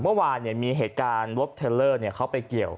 เมื่อวานมีเหตุการณ์รถเทลเลอร์เขาไปเกี่ยว